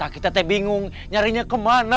kita teh bingung nyarinya kemana